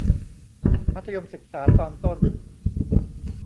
มัธยมศึกษาตอนต้น